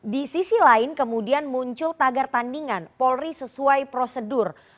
di sisi lain kemudian muncul tagar tandingan polri sesuai prosedur